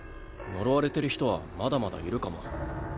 呪われてる人はまだまだいるかも。